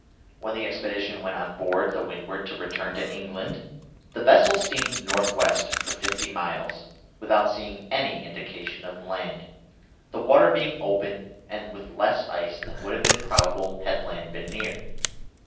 When the expedition went on board the Windward to return to England, the vessel steamed north west for fifty miles without seeing any indication of land, the water being open and with less ice than would have been probable had land been near.